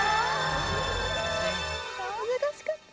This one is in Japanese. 難しかった。